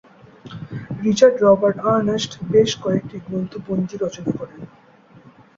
Richard Robert Ernst বেশ কয়েকটি গ্রন্থপঞ্জি রচনা করেন।